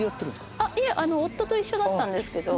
いえ夫と一緒だったんですけど。